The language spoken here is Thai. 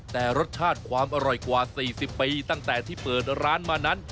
แต่รสชาติความอร่อยกว่า๔๐ปีตั้งแต่ที่เปิดร้านมานั้น